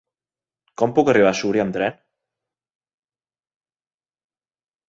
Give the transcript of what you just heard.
Com puc arribar a Súria amb tren?